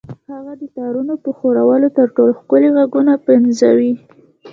هغه د تارونو په ښورولو تر ټولو ښکلي غږونه پنځوي